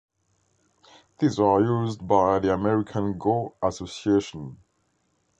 These are used by the American Go Association.